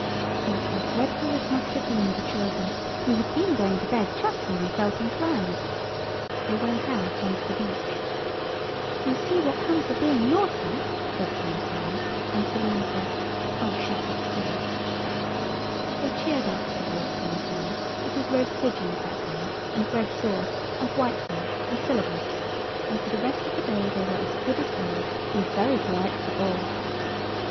Think how dreadful this must have been to children who had been going to bed just when they felt inclined. They went out on to the beach. "You see what comes of being naughty," said Thomasina; and Selim said, "Oh, shut up, do!" [Illustration: SUDDENLY, OUT OF NOTHING AND NOWHERE, APPEARED A LARGE, STERN HOUSEMAID.] They cheered up towards dinner time—it was roast pigeons that day and bread sauce, and whitebait and syllabubs—and for the rest of the day they were as good as gold, and very polite to the Ball.